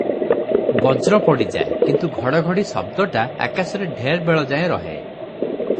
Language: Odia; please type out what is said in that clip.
ବଜ୍ର ପଡ଼ିଯାଏ, କିନ୍ତୁ ଘଡ଼ଘଡ଼ି ଶବ୍ଦଟା ଆକାଶରେ ଢେର୍ ବେଳ ଯାଏ ରହେ ।